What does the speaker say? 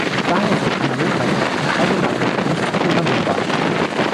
Daher sind Analogrechner im Allgemeinen nicht programmierbar.